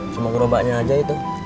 cuma gerobaknya aja itu